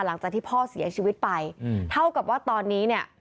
หลังจากที่พ่อเสียชีวิตไปเท่ากับว่าตอนนี้เนี่ย